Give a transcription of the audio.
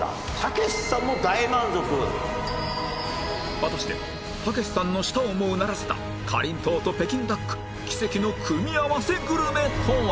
果たしてたけしさんの舌をもうならせたかりんとうと北京ダック奇跡の組み合わせグルメとは！？